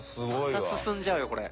また進んじゃうよこれ。